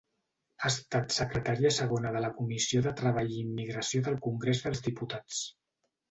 Ha estat secretària segona de la Comissió de Treball i Immigració del Congrés dels Diputats.